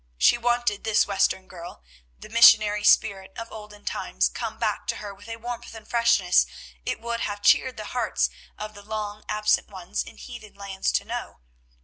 She wanted this Western girl; the missionary spirit of olden times came back to her with a warmth and freshness it would have cheered the hearts of the long absent ones in heathen lands to know.